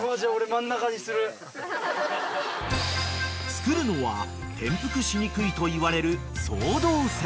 ［作るのは転覆しにくいといわれる］